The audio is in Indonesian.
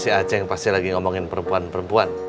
si aceh pasti lagi ngomongin perempuan perempuan